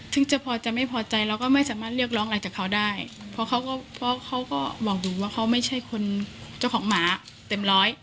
ถึงจะพอจะไม่พอใจเราก็ไม่สามารถเรียกร้องอะไรจากเขาได้เพราะเขาก็เพราะเขาก็บอกหนูว่าเขาไม่ใช่คนเจ้าของหมาเต็มร้อย